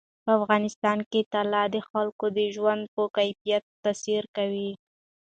په افغانستان کې طلا د خلکو د ژوند په کیفیت تاثیر کوي.